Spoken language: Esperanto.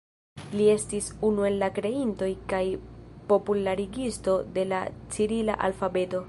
Li estis unu el la kreintoj kaj popularigisto de la cirila alfabeto.